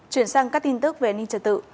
chuyển sang các tin tức về ninh trật tự